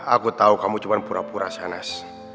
aku tahu kamu cuma pura pura sanas